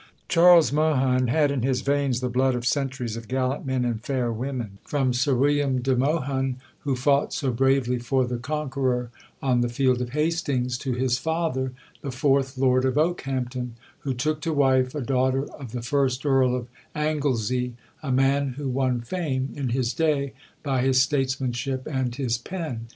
Charles Mohun had in his veins the blood of centuries of gallant men and fair women, from Sir William de Mohun, who fought so bravely for the Conqueror on the field of Hastings, to his father, the fourth Lord of Okehampton, who took to wife a daughter of the first Earl of Anglesey, a man who won fame in his day by his statesmanship and his pen.